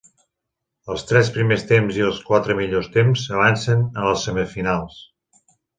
Els tres primers temps i els quatre millors temps avançaven a les semifinals.